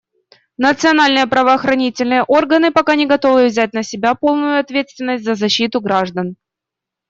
Национальные правоохранительные органы пока не готовы взять на себя полную ответственность за защиту граждан.